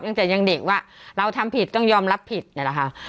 ตั้งแต่ยังเด็กว่าเราทำผิดต้องยอมรับผิดนี่แหละค่ะ